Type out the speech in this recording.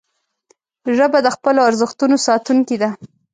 ژبه د خپلو ارزښتونو ساتونکې ده